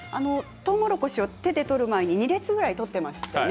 とうもろこしを手で取る前に２列ぐらい取っていましたよね。